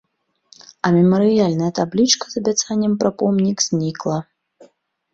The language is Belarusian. А мемарыяльная таблічка з абяцаннем пра помнік знікла.